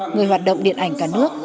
người hoạt động điện ảnh cả nước